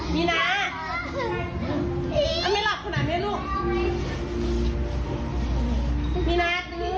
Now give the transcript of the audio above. มีนาจะไม่หลับขนาดนี้ลูก